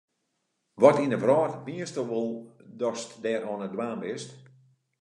Wat yn de wrâld miensto wol datst dêr oan it dwaan bist?